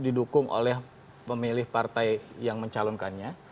lebih banyak didukung oleh pemilih partai yang mencalonkannya